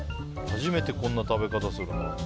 初めてこんな食べ方するな。